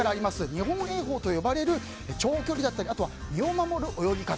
日本泳法と呼ばれる長距離だったりあとは身を守る泳ぎ方。